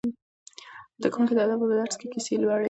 زده کوونکي د ادب په درس کې کیسې لوړي.